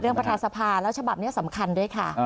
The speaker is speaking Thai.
ประธานสภาแล้วฉบับนี้สำคัญด้วยค่ะ